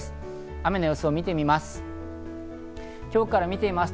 雨の様子を見てみます。